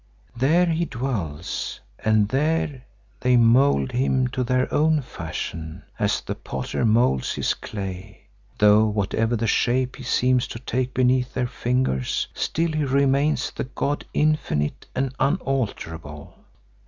There he dwells and there they mould him to their own fashion, as the potter moulds his clay, though whatever the shape he seems to take beneath their fingers, still he remains the god infinite and unalterable.